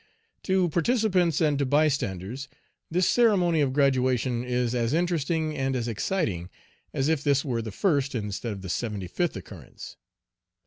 To participants and to bystanders, this ceremony of graduation is as interesting and as exciting as if this were the first, instead of the seventy fifth occurrence.